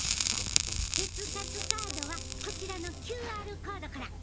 鉄活カードはこちらのＱＲコードから！